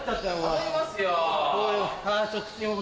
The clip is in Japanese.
頼みますよ。